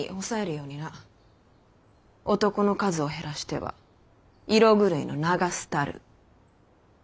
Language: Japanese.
男の数を減らしては色狂いの名が廃る。